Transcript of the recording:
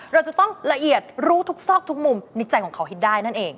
เราจะต้องละเอียดรู้ทุกซอกทุกมุมในใจของเขาให้ได้นั่นเอง